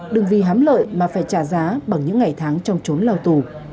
đừng vì hám lợi mà phải trả giá bằng những ngày tháng trong trốn lao tù